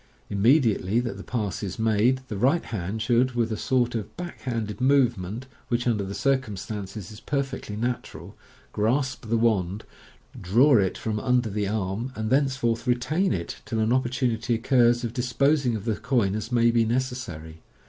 Immediately that the pass is made the right hand should, with a sort of back handed movement, which under the circumstances is perfectly natural, grasp the wand, draw it from under the arm, and thenceforth retain it till an opportunity occurs of dispos ing of the coin as may be necessary.